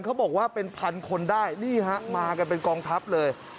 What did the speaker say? เขาบอกว่าเป็นพันคนได้นี่ฮะมากันเป็นกองทัพเลย